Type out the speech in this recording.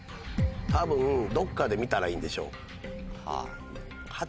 多分どっかで見たらいいんでしょ。